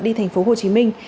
đi thành phố hồ chí minh